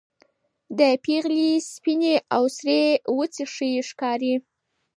د پېغلې سپينې او سرې وڅې ښې ښکاري